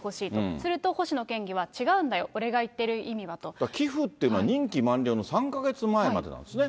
すると星野県議は、違うんだよ、寄付っていうのは、任期満了の３か月前までなんですね。